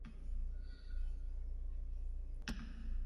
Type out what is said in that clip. Hura dena, jakina, berritsukeria besterik ez zen.